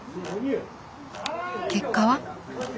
結果は？